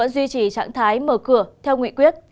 duy trì trạng thái mở cửa theo nghị quyết